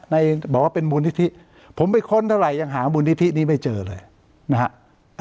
ในบอกว่าเป็นมูลนิธิผมไปค้นเท่าไหร่ยังหามูลนิธินี้ไม่เจอเลยนะฮะ